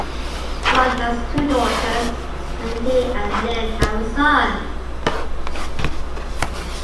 Ron has two daughters and he and Lynn have a son.